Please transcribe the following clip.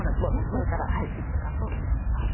これから打つかと思います。